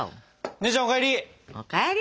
姉ちゃんお帰り。